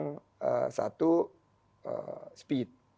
belajar tentang satu speed